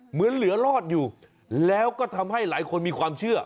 เหมือนเหลือรอดอยู่แล้วก็ทำให้หลายคนมีความเชื่อ